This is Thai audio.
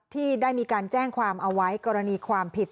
ที่ได้มีการแจ้งความเอาไว้กรณีความผิด